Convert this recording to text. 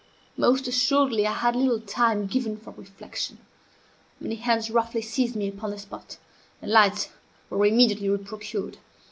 Most assuredly I had little time for reflection. Many hands roughly seized me upon the spot, and lights were immediately re procured.